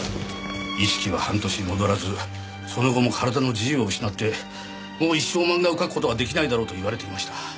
意識は半年戻らずその後も体の自由を失ってもう一生漫画を描く事は出来ないだろうと言われていました。